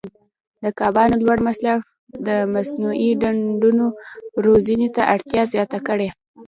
د کبانو لوړ مصرف د مصنوعي ډنډونو روزنې ته اړتیا زیاته کړې.